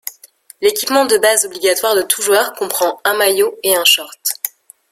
L’équipement de base obligatoire de tout joueur comprend un maillot et un short.